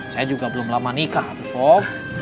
saya juga belum lama nikah